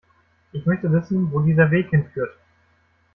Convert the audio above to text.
Ich möchte wissen, wo dieser Weg hinführt.